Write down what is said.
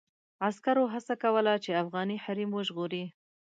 عسکرو هڅه کوله چې افغاني حريم وژغوري.